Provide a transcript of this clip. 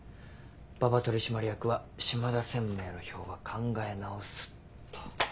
馬場取締役は島田専務への票は考え直すと。